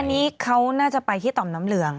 วันนี้เขาน่าจะไปที่ต่อมน้ำเหลือง